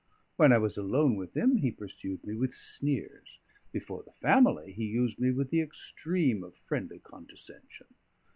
When I was alone with him, he pursued me with sneers; before the family he used me with the extreme of friendly condescension.